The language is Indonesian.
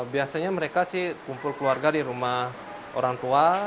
biasanya mereka sih kumpul keluarga di rumah orang tua